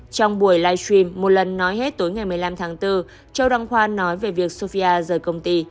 trong buổi live stream một lần nói hết tối ngày một mươi năm tháng bốn châu đăng khoa nói về việc sophia rời công ty